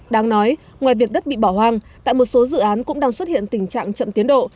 đáng nói ngoài việc đất bị bỏ hoang tại một số dự án cũng đang xuất hiện tình trạng chậm tiến độ